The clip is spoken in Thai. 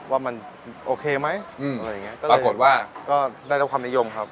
ว่ามันโอเคไหมอะไรอย่างเงี้ก็ปรากฏว่าก็ได้รับความนิยมครับ